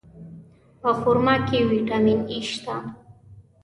په خرما کې ویټامین E شته.